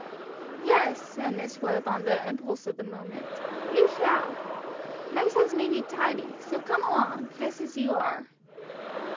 "Yes," said Miss Webb on the impulse of the moment, "you shall. Nurse has made you tidy, so come along, just as you are."